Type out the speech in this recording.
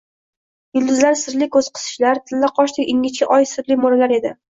Yulduzlar sirli ko‘z qisishar, tillaqoshdek ingichka oy sirli mo‘ralar edi.